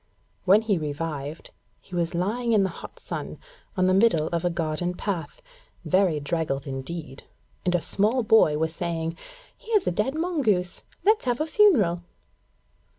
When he revived, he was lying in the hot sun on the middle of a garden path, very draggled indeed, and a small boy was saying: 'Here's a dead mongoose. Let's have a funeral.'